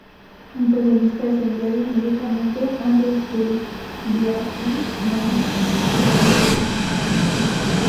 Un periodista es enviado inmediatamente antes del Blackwood Manor será destruido.